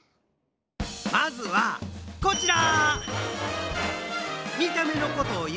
まずはこちら！